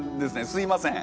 すいません。